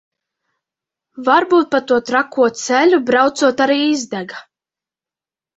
Varbūt pa to trako ceļu braucot arī izdega.